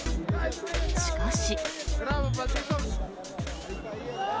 しかし。